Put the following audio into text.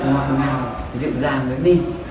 người ta ngọt ngào dịu dàng với mình